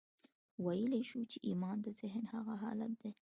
ويلای شو چې ايمان د ذهن هغه حالت دی.